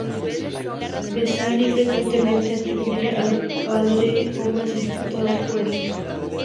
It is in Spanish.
Vasari frecuentemente atribuye al padre obras ejecutadas por el hijo.